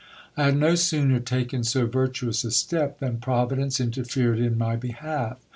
I had no sooner taken so virtuous a step, than providence interfered i 1 my behalf.